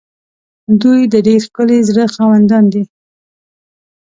دوی د ډېر ښکلي زړه خاوندان دي.